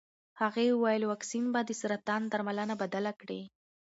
هغې وویل واکسین به د سرطان درملنه بدله کړي.